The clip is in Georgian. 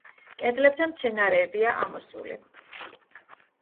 კედლებზე მცენარეებია ამოსული.